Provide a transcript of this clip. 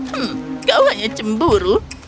hmm kau hanya cemburu